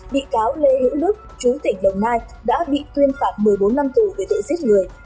bị cáo lê hữu đức chú tỉnh đồng nai đã bị tuyên phạt một mươi bốn năm tù về tội giết người